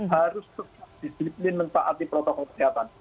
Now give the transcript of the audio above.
harus tetap disiplin mentaati protokol kesehatan